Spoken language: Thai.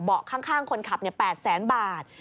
เบาะข้างคนขับเนี่ย๘แสนบาท